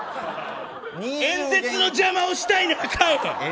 演説の邪魔をしたいなら帰れ！